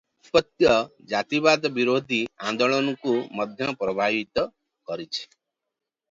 ଏହି ଆଧିପତ୍ୟ ଜାତିବାଦ-ବିରୋଧୀ ଆନ୍ଦୋଳନକୁ ମଧ୍ୟ ପ୍ରଭାବିତ କରିଛି ।